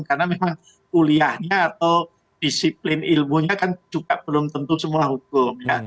karena memang kuliahnya atau disiplin ilmunya kan juga belum tentu semua hukum